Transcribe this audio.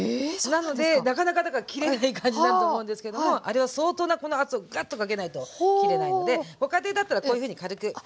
なのでなかなかだから切れない感じになると思うんですけどもあれは相当なこの圧をグッとかけないと切れないのでご家庭だったらこういうふうに軽く押してあげる。